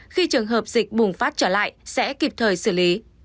khi trường hợp dịch bùng phát trở lại sẽ kịp thời xử lý